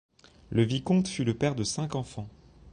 Le vicomte fut le père de cinq enfants.